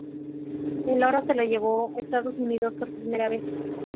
El oro se lo llevó Estados Unidos por primera vez.